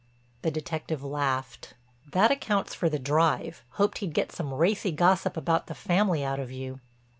The detective laughed: "That accounts for the drive—hoped he'd get some racy gossip about the family out of you."